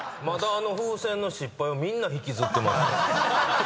まだあの風船の失敗をみんな引きずってます。